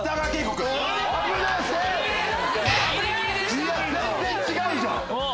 全然違うじゃん。